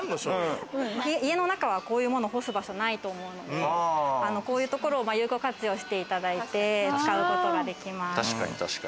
家の中はこういうものを干す場所ないと思うので、こういうところを有効活用していただいて使うことができます。